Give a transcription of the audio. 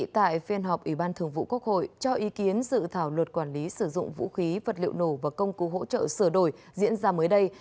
tại phiên họp ủy ban thường vụ quốc hội cho ý kiến dự thảo luật quản lý sử dụng vũ khí vật liệu nổ và công cụ hỗ trợ sửa đổi diễn ra mới đây